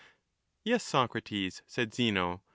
Yes, Socrates, said Zeno.